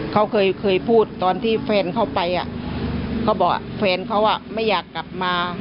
เขาเคยพูดตอนที่แฟนเขาไปเขาบอกแฟนเขาไม่อยากกลับมา